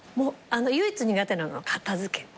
唯一苦手なのは片付け。